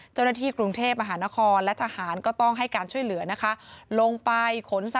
เจ้าหน้าที่กรุงเทพมหานครและทหารก็ต้องให้การช่วยเหลือนะคะ